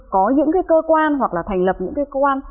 có những cái cơ quan hoặc là thành lập những cái cơ quan